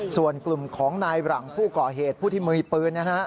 ส่วนกลุ่มของนายหลังผู้ก่อเหตุผู้ที่มีปืนนะฮะ